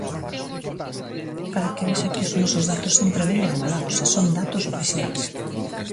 Para que vexa que os nosos datos sempre veñen avalados e son datos oficiais.